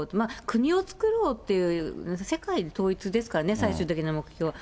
国を造ろうという、世界統一ですからね、最終的な目標は。